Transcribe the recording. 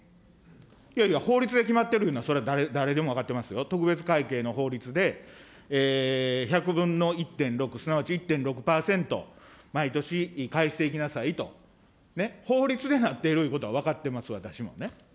いやいや、法律で決まっているのはそれは誰でも分かってますよ、特別会計の法律で１００分の１．６、すなわち１．６％、毎年返していきなさいと、法律でなっているということは分かってます、私もね。